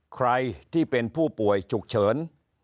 ใครที่เป็นผู้ป่วยฉุกเฉิน